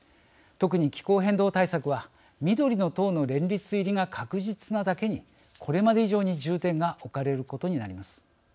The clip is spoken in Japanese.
特に気候変動対策は緑の党の連立入りが確実なだけにこれまで以上に重点が置かれることになります。